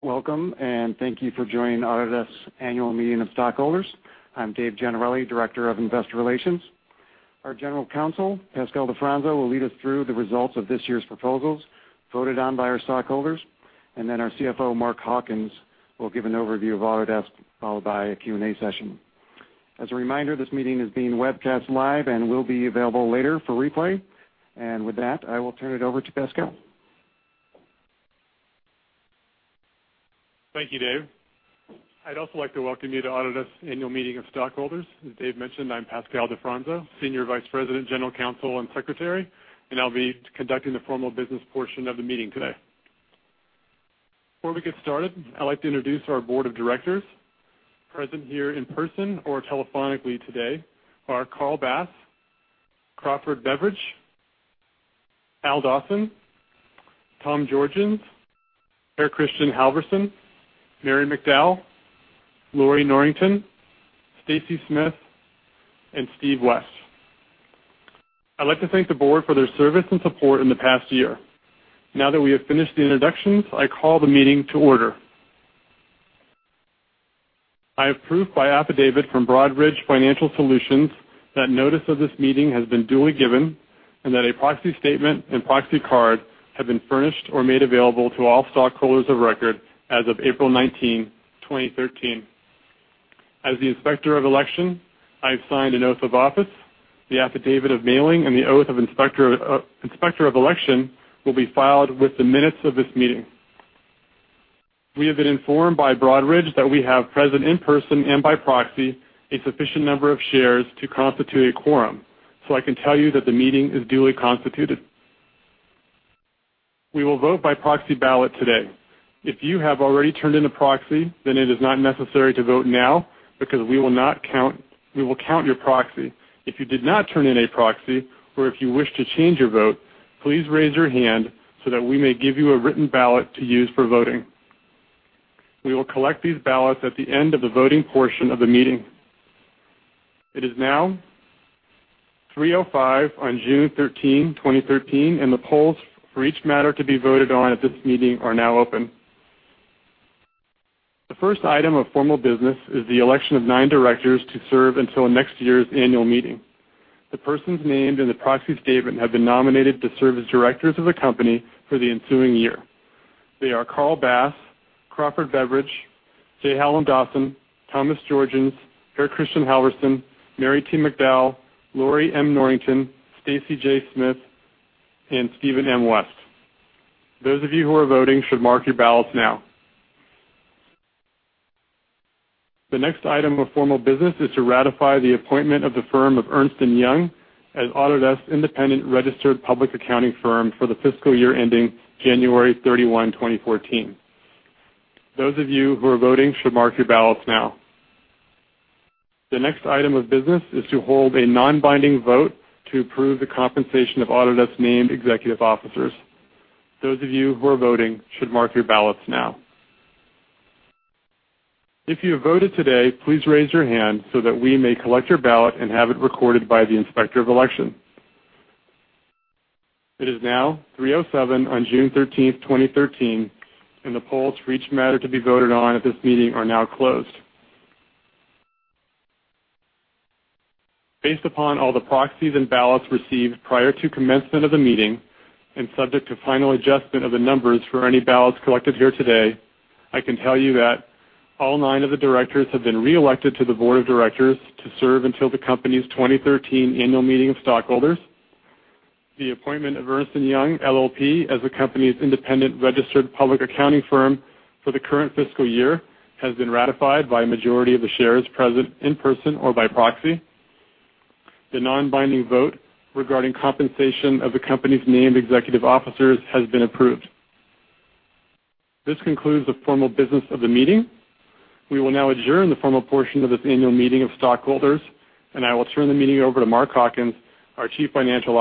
Welcome, thank you for joining Autodesk Annual Meeting of Stockholders. I'm Dave Gennarelli, Director of Investor Relations. Our General Counsel, Pascal Di Fronzo, will lead us through the results of this year's proposals voted on by our stockholders, then our CFO, Mark Hawkins, will give an overview of Autodesk, followed by a Q&A session. As a reminder, this meeting is being webcast live and will be available later for replay. With that, I will turn it over to Pascal. Thank you, Dave. I'd also like to welcome you to Autodesk Annual Meeting of Stockholders. As Dave mentioned, I'm Pascal Di Fronzo, Senior Vice President, General Counsel, and Secretary, I'll be conducting the formal business portion of the meeting today. Before we get started, I'd like to introduce our Board of Directors. Present here in person or telephonically today are Carl Bass, Crawford Beveridge, Al Dawson, Tom Georgens, Per-Kristian Halvorsen, Mary McDowell, Lorrie Norrington, Stacy Smith, and Steve West. I'd like to thank the Board for their service and support in the past year. Now that we have finished the introductions, I call the meeting to order. I have proof by affidavit from Broadridge Financial Solutions that notice of this meeting has been duly given that a proxy statement and proxy card have been furnished or made available to all stockholders of record as of April 19, 2013. As the Inspector of Election, I have signed an oath of office. The affidavit of mailing and the oath of Inspector of Election will be filed with the minutes of this meeting. We have been informed by Broadridge that we have present in person and by proxy, a sufficient number of shares to constitute a quorum. I can tell you that the meeting is duly constituted. We will vote by proxy ballot today. If you have already turned in a proxy, it is not necessary to vote now because we will count your proxy. If you did not turn in a proxy, if you wish to change your vote, please raise your hand so that we may give you a written ballot to use for voting. We will collect these ballots at the end of the voting portion of the meeting. It is now 3:05 P.M. on June 13, 2013, the polls for each matter to be voted on at this meeting are now open. The first item of formal business is the election of nine directors to serve until next year's annual meeting. The persons named in the proxy statement have been nominated to serve as directors of the company for the ensuing year. They are Carl Bass, Crawford Beveridge, J. Hallam Dawson, Thomas Georgens, Per-Kristian Halvorsen, Mary T. McDowell, Lorrie M. Norrington, Stacy J. Smith, and Steven M. West. Those of you who are voting should mark your ballots now. The next item of formal business is to ratify the appointment of the firm of Ernst & Young as Autodesk independent registered public accounting firm for the fiscal year ending January 31, 2014. Those of you who are voting should mark your ballots now. The next item of business is to hold a non-binding vote to approve the compensation of Autodesk named executive officers. Those of you who are voting should mark your ballots now. If you have voted today, please raise your hand so that we may collect your ballot and have it recorded by the Inspector of Election. It is now 3:07 P.M. on June 13, 2013, and the polls for each matter to be voted on at this meeting are now closed. Based upon all the proxies and ballots received prior to commencement of the meeting and subject to final adjustment of the numbers for any ballots collected here today, I can tell you that all nine of the directors have been reelected to the board of directors to serve until the company's 2013 Annual Meeting of Stockholders. The appointment of Ernst & Young LLP as the company's independent registered public accounting firm for the current fiscal year has been ratified by a majority of the shares present in person or by proxy. The non-binding vote regarding compensation of the company's named executive officers has been approved. This concludes the formal business of the meeting. We will now adjourn the formal portion of this Annual Meeting of Stockholders, and I will turn the meeting over to Mark Hawkins, our Chief Financial Officer.